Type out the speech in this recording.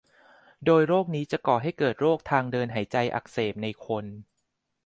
โดยโรคนี้จะก่อให้เกิดโรคทางเดินหายใจอักเสบในคน